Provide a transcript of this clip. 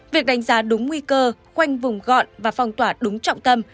việc đánh giá đúng nguy cơ khoanh vùng gọn và phong tỏa đúng trọng tâm